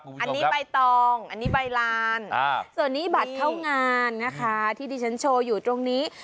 อันนี้ใบตองอันนี้ใบลานส่วนนี้บัตรเข้างานนะคะที่ที่ฉันโชว์อยู่ตรงนี้